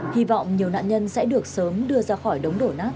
hy vọng nhiều nạn nhân sẽ được sớm đưa ra khỏi đống đổ nát